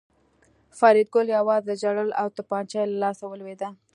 فریدګل یوازې ژړل او توپانچه یې له لاسه ولوېده